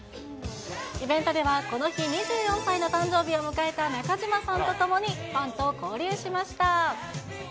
イベントでは、この日２４歳の誕生日を迎えた中島さんと共に、ファンと交流しました。